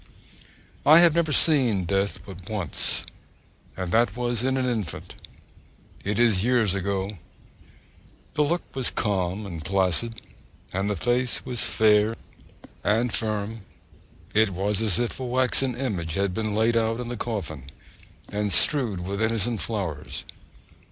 I have never seen death but once, and that was in an infant. It is years ago. The look was calm and placid, and the face was fair and firm. It was as if a waxen image had been laid out in the coffin, and strewed with innocent flowers.